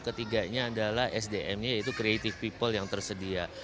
ketiganya adalah sdm nya yaitu creative people yang tersedia